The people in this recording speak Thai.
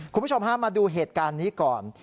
คุณผู้ชมฮะมาดูเหตุการณ์นี้ก่อน